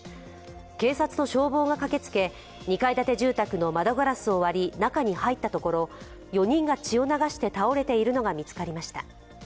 警察と消防が駆けつけ、２階建て住宅の窓ガラスを割り、中に入ったところ、４人が血を流して倒れているのが見つかりました。